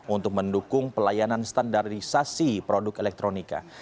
untuk mendukung pelayanan standarisasi produk elektronika